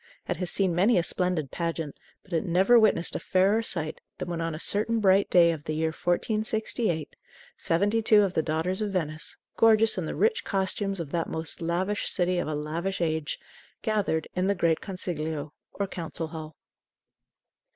It has seen many a splendid pageant, but it never witnessed a fairer sight than when on a certain bright day of the year 1468 seventy two of the daughters of Venice, gorgeous in the rich costumes of that most lavish city of a lavish age, gathered in the great Consiglio, or Council Hall.